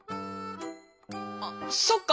あっそっか！